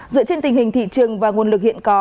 dựa trên tình hình thị trường và nguồn lực hiện có